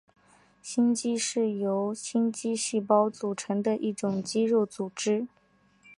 心肌是由心肌细胞构成的一种肌肉组织。